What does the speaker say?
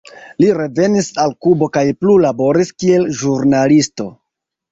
Li revenis al Kubo kaj plu laboris kiel ĵurnalisto.